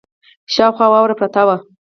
شاوخوا واوره پرته وه.